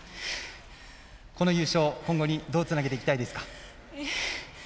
この優勝、今後にどうつなげていきたいですか？